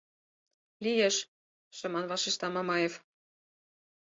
— Лиеш, — шыман вашешта Мамаев.